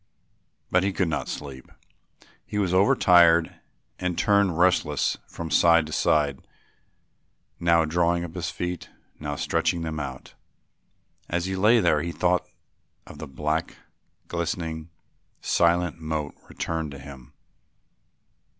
But he could not sleep. He was overtired and turned restlessly from side to side, now drawing up his feet, now stretching them out. As he lay there the thought of the black, glistening, silent moat returned to him.